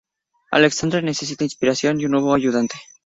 Alexandre necesita inspiración y un nuevo ayudante.